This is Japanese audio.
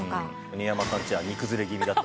新山さんちは煮崩れ気味だと。